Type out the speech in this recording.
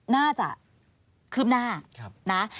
น่าจะคืบหน้านะ